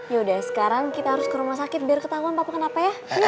yaudah sekarang kita harus ke rumah sakit biar ketahuan papa kenapa ya